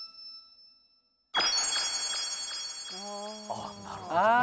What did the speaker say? あっなるほどな。